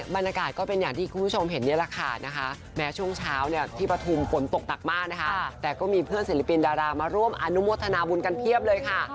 บรรยากาศก็เป็นอย่างที่คุณผู้ชมเห็นนี่แหละค่ะนะคะแม้ช่วงเช้าเนี่ยที่ปฐุมฝนตกหนักมากนะคะแต่ก็มีเพื่อนศิลปินดารามาร่วมอนุโมทนาบุญกันเพียบเลยค่ะ